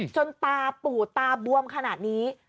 จนตาปูดตาบวมขนาดนี้